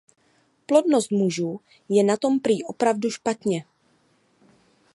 Plodnost mužů je na tom prý opravdu špatně.